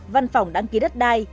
văn phòng đăng ký đất đai